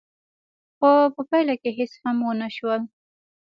خو په پايله کې هېڅ هم ونه شول.